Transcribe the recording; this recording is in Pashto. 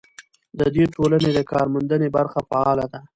د دې ټولنې د کارموندنې برخه فعاله ده.